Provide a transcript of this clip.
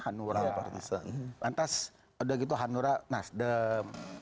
hanura partisan lantas udah gitu hanura nasdem